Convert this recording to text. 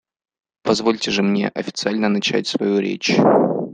Позвольте же мне официально начать свою речь.